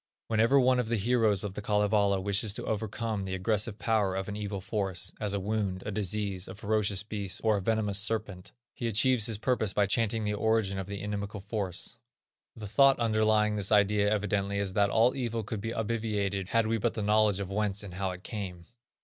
Whenever one of the heroes of the Kalevala wishes to overcome the aggressive power of an evil force, as a wound, a disease, a ferocious beast, or a venomous serpent, he achieves his purpose by chanting the origin of the inimical force. The thought underlying this idea evidently is that all evil could be obviated had we but the knowledge of whence and how it came.